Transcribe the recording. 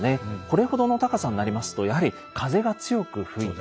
これほどの高さになりますとやはり風が強く吹いて。